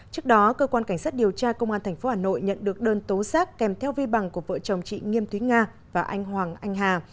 trước đó cơ quan cảnh sát điều tra công an tp hà nội nhận được đơn tố giác kèm theo vi bằng của vợ chồng chị nghiêm thúy nga và anh hoàng anh hà